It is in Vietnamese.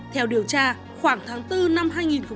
theo điều tra khoảng tháng bốn năm hai nghìn hai mươi một